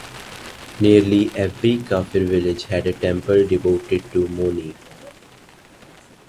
Nearly every Kafir village had a temple devoted to Moni.